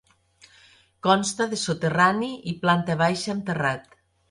Consta de soterrani i planta baixa amb terrat.